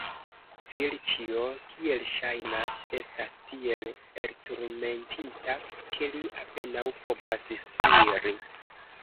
Vilĉjo, kiel ŝajnas, estas tiel elturmentita, ke li apenaŭ povas spiri.